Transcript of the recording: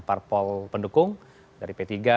parpol pendukung dari p tiga